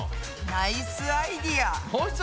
ナイスアイデア！